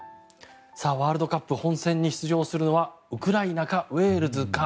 ワールドカップ本選に出場するのはウクライナからウェールズか。